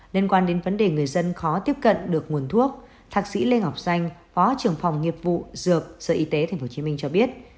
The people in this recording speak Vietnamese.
liên quan đến vấn đề người dân khó tiếp cận được nguồn thuốc thạc sĩ lê ngọc danh phó trưởng phòng nghiệp vụ dược sở y tế tp hcm cho biết